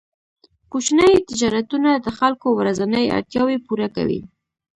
کوچني تجارتونه د خلکو ورځنۍ اړتیاوې پوره کوي.